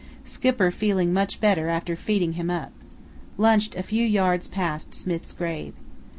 Skipper feeling much better after feeding him up. Lunched a few yards past Smith's grave.